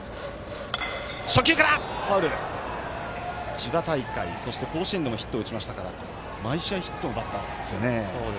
千葉大会、そして甲子園でもヒットを打ちましたから毎試合ヒットを打っているんですよね。